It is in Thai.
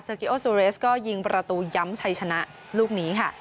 กิโอซูเรสก็ยิงประตูย้ำชัยชนะลูกนี้ค่ะ